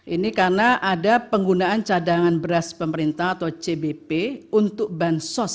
ini karena ada penggunaan cadangan beras pemerintah atau cbp untuk bansos